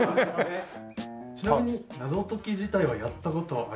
ちなみに謎解き自体はやった事ありますか？